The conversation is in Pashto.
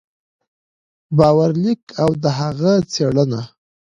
باور لیک او د هغه څېړنه